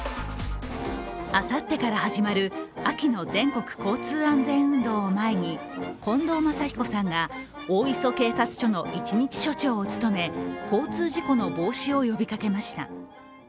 あさってから始まる秋の全国交通安全運動を前に、近藤真彦さんが大磯警察署の一日警察署長を務め、交通事故の防止を呼びかけました。